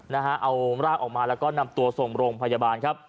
เอารากออกมาแล้วก็นำตัวส่งโรงพยาบาล